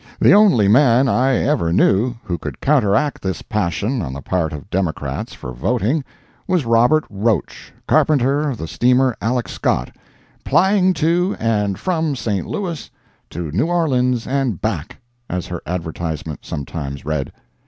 The only man I ever knew who could counteract this passion on the part of Democrats for voting, was Robert Roach, carpenter of the steamer Aleck Scott, "plying to and from St. Louis to New Orleans and back," as her advertisement sometimes read.